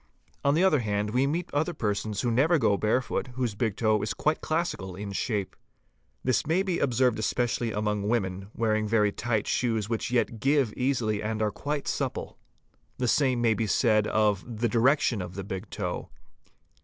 On the other hand we meet other persons who never go barefoot, whose big toe is quite classical in shape. This May be observed especially among women, wearing very tight fitting shoes which yet give easily and are quite supple. 'The same may be said f the direction of the big toe.